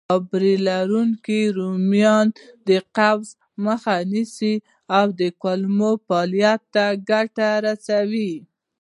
فایبر لرونکي رومیان د قبض مخه نیسي او د کولمو فعالیت ته ګټه رسوي.